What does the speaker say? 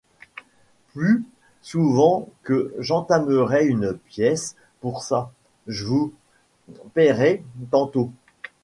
Pus souvent que j’entamerai une pièce pour ça, j’vous paierai tantôt.